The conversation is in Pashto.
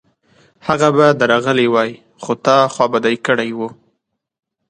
هغه به درغلی وای، خو تا خوابدی کړی و